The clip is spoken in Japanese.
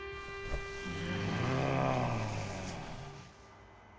うん。